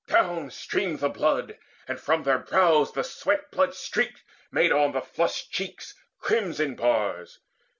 Down streamed the blood, and from their brows the sweat Blood streaked made on the flushed cheeks crimson bars.